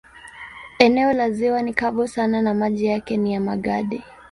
Eneo la ziwa ni kavu sana na maji yake ni ya magadi.